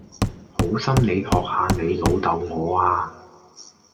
好心你學下你老豆我呀